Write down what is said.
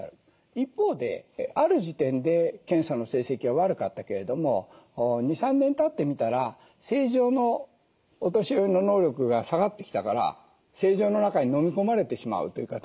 一方である時点で検査の成績は悪かったけれども２３年たってみたら正常のお年寄りの能力が下がってきたから正常の中に飲み込まれてしまうという方もいらっしゃる。